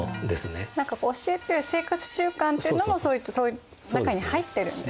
何か教えというより生活習慣っていうのもその中に入ってるんですね。